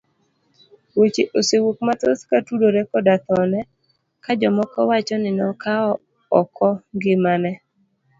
Weche osewuok mathoth kotudore koda thone ka jomoko wacho ni nokawo oko ngimane.